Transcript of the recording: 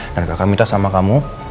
dan kakak minta sama kamu